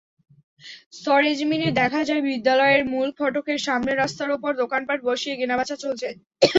সরেজমিনে দেখা যায়, বিদ্যালয়ের মূল ফটকের সামনের রাস্তার ওপর দোকানপাট বসিয়ে কেনাবেচা চলছে।